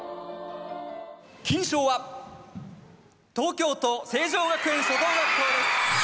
金賞は東京都成城学園初等学校です。